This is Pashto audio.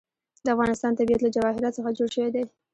د افغانستان طبیعت له جواهرات څخه جوړ شوی دی.